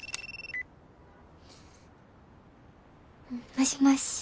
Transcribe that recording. もしもし。